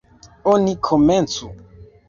Oni komencu!